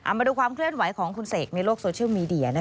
มาดูความเคลื่อนไหวของคุณเสกในโลกโซเชียลมีเดีย